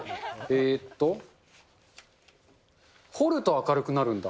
えっと、彫ると明るくなるんだ。